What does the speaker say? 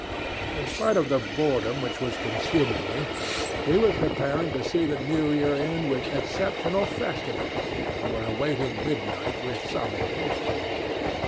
In spite of the boredom which was consuming me, we were preparing to see the New Year in with exceptional festiveness, and were awaiting midnight with some impatience.